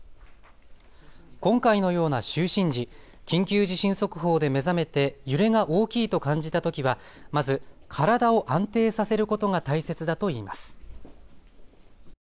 今回のような就寝時、緊急地震速報で目覚めて揺れが大きいと感じたときはまず体を安定させることが大切だといいます。